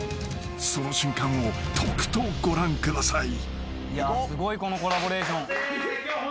［その瞬間をとくとご覧ください］